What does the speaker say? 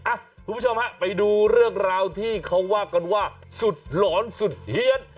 คุณผู้ชมฮะไปดูเรื่องราวที่เขาว่ากันว่าสุดหลอนสุดเฮียน